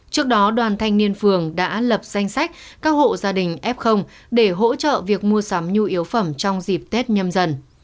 trước đó đoàn thanh niên phường đã lập danh sách các hộ gia đình f để hỗ trợ việc mua sắm nhu yếu phẩm trong dịp tết nhâm dần